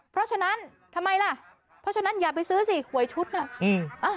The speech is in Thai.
เพราะฉะนั้นทำไมล่ะเพราะฉะนั้นอย่าไปซื้อสิหวยชุดน่ะอืม